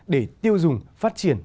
để tiêu dùng phát triển